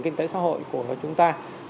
kinh tế xã hội của chúng ta